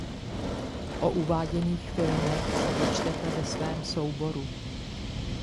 O uváděných filmech se dočtete ve svém souboru.